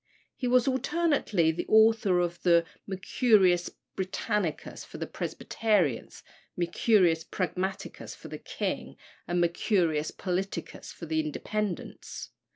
He was alternately the author of the Mercurius Britannicus for the Presbyterians, Mercurius Pragmaticus for the king, and Mercurius Politicus for the Independents.